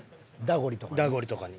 「ダゴリ」とかに？